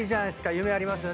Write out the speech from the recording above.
夢ありますよね。